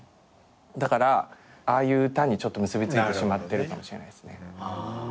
だからああいう歌にちょっと結び付いてしまってるかもしれないですね。